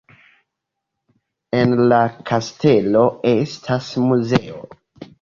En la kastelo estas muzeo.